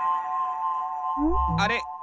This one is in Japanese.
あれ？